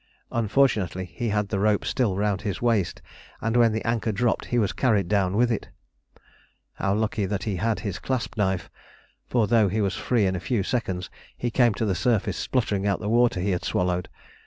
Unfortunately he had the rope still round his waist, and when the anchor dropped he was carried down with it. How lucky that he had his clasp knife! For though he was free in a few seconds, he came to the surface spluttering out the water he had swallowed.